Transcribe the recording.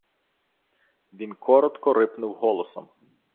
Він коротко рипнув голосом: